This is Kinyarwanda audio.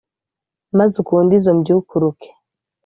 Maze ukunde izo mbyukuruke